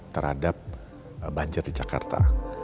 terhadap banjir di jakarta